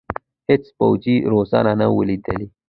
هېڅ پوځي روزنه نه وه لیدلې.